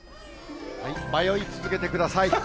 迷い続けてください。